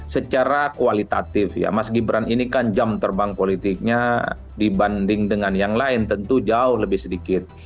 secara kualitatif ya mas gibran ini kan jam terbang politiknya dibanding dengan yang lain tentu jauh lebih sedikit